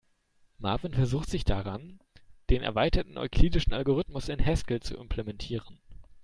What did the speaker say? Marvin versucht sich daran, den erweiterten euklidischen Algorithmus in Haskell zu implementieren.